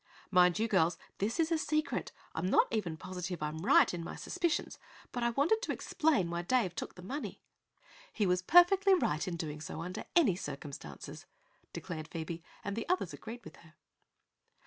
"Mind you, girls, this is a secret; I'm not even positive I'm right in my suspicions; but I wanted to explain why Dave took the money." "He was perfectly right in doing so, under any circumstances," declared Phoebe, and the others agreed with her.